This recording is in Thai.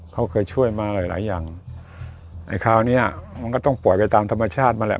เขาเคยช่วยมาหลายหลายอย่างไอ้คราวเนี้ยมันก็ต้องปล่อยไปตามธรรมชาติมาแหละ